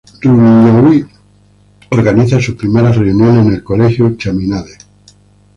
Rumiñahui, organiza sus primeras reuniones en el Colegio Chaminade.